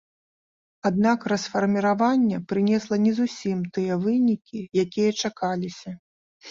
Аднак расфарміраванне прынесла не зусім тыя вынікі, якія чакаліся.